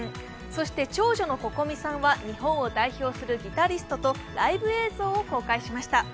そして長女のＣｏｃｏｍｉさんは日本を代表するギタリストとライブ映像を公開しました。